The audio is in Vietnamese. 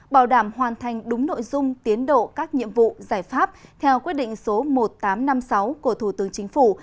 bảo đảm hoàn thành đúng nội dung tiến độ các nhiệm vụ giải pháp theo quyết định số một nghìn tám trăm năm mươi sáu của thủ tướng chính phủ